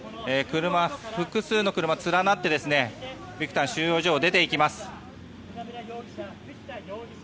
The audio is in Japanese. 複数の車が連なってビクタン収容所を出ていきます。